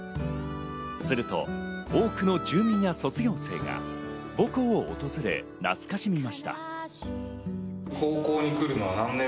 すると多くの住民や卒業生が母校を訪れ懐かしみました。